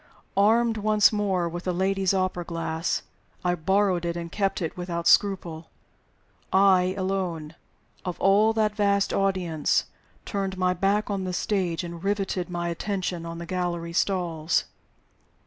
Armed once more with the lady's opera glass (I borrowed it and kept it without scruple), I alone, of all that vast audience, turned my back on the stage, and riveted my attention on the gallery stalls.